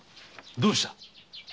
どうした？